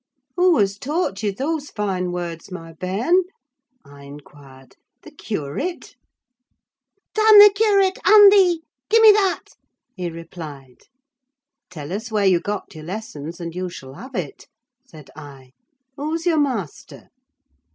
"Who has taught you those fine words, my bairn?" I inquired. "The curate?" "Damn the curate, and thee! Gie me that," he replied. "Tell us where you got your lessons, and you shall have it," said I. "Who's your master?"